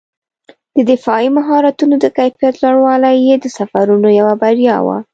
د دفاعي مهارتونو د کیفیت لوړوالی یې د سفرونو یوه بریا وه.